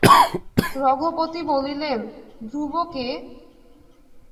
রঘপতি বলিলেন, ধ্রুব কে?